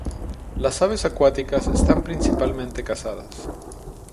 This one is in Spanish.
Las aves acuáticas están principalmente casadas.